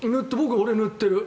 俺、塗ってる。